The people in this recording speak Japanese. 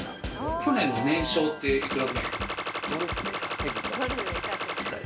去年の年商っていくらくらい？